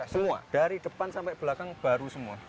semua dari depan sampai belakang baru semua